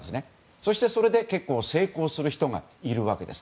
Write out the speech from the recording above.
そして、それで結構成功する人がいるわけです。